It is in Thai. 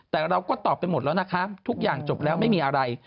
แต่เราก็ตอบไปหมดแล้วนะคะทุกอย่างจบแล้วไม่มีอะไร